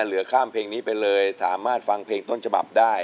เหลือข้ามเพลงนี้ไปเลยสามารถฟังเพลงต้นฉบับได้